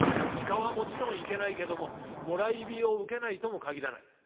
自火はもちろんいけないけどももらい火を受けないとも限らない。